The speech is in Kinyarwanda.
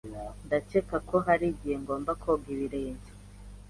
Ndakeka ko hari igihe ngomba koga ibirenge.